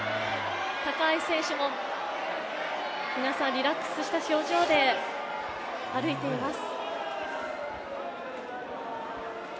高橋選手も皆さんリラックスした表情で歩いています。